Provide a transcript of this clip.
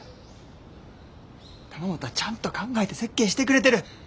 玉本はちゃんと考えて設計してくれてる。